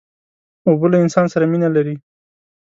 اوبه له انسان سره مینه لري.